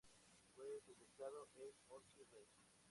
Fue publicado en "Orchid Rev.